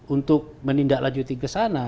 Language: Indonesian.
untuk menindaklanjuti kesana